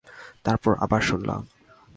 তারপর আবার শুনলাম।